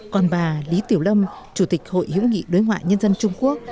còn bà lý tiểu lâm chủ tịch hội hữu nghị đối ngoại nhân dân trung quốc